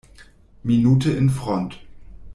Minute in Front.